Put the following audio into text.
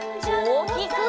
おおきく！